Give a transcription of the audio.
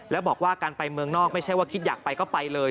แล้วบอกว่าการไปเมืองนอกไม่ใช่ว่าคิดอยากไปก็ไปเลย